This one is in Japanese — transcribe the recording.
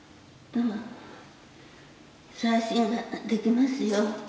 再審ができますよ。